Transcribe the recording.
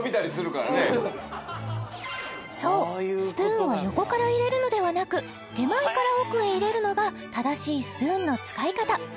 そうスプーンは横から入れるのではなく手前から奥へ入れるのが正しいスプーンの使い方